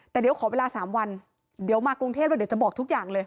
แต่เดี๋ยวขอเวลา๓วันเดี๋ยวมากรุงเทพแล้วเดี๋ยวจะบอกทุกอย่างเลย